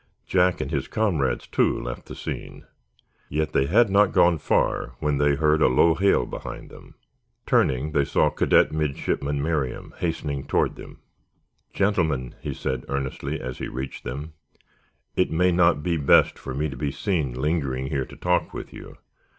Jack and his comrades, too, left the scene. Yet they had not gone far when they heard a low hail behind. Turning, they saw Cadet Midshipmen Merriam hastening toward them. "Gentlemen," he said, earnestly, as he reached them, "it may not be best for me to be seen lingering here to talk with you.